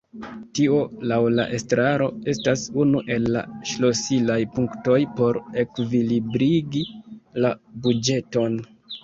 Tio laŭ la estraro estas unu el la ŝlosilaj punktoj por ekvilibrigi la buĝeton.